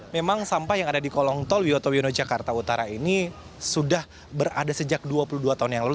memang sampah yang ada di kolong tol wiyoto wiono jakarta utara ini sudah berada sejak dua puluh dua tahun yang lalu